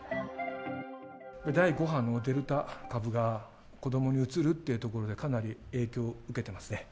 第５波のデルタ株が子どもにうつるっていうところで、かなり影響受けてますね。